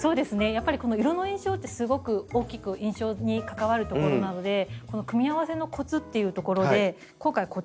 やっぱり色の印象ってすごく大きく印象に関わるところなので組み合わせのコツっていうところで今回こちらを準備しました。